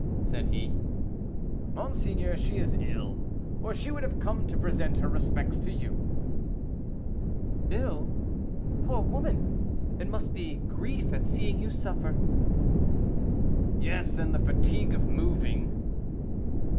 said he. "Monseigneur, she is ill, or she would have come to present her respects to you." "Ill! poor woman! it must be grief at seeing you suffer." "Yes, and the fatigue of moving."